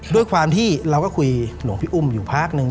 ด้วยความที่เราก็คุยหลวงพี่อุ้มอยู่พักนึง